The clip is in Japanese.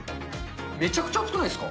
めちゃくちゃ熱くないですか？